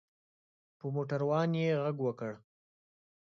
په موټر وان یې غږ وکړ.